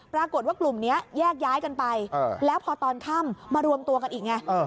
ปรากฏว่ากลุ่มนี้แยกย้ายกันไปแล้วพอตอนค่ำมารวมตัวกันอีกไง